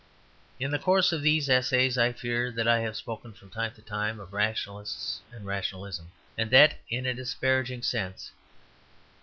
In the course of these essays I fear that I have spoken from time to time of rationalists and rationalism, and that in a disparaging sense.